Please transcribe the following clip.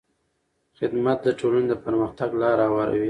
خدمت د ټولنې د پرمختګ لاره هواروي.